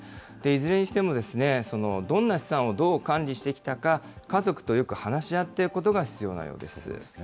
いずれにしても、どんな資産をどう管理してきたか、家族とよく話し合っておくことが必要なんです。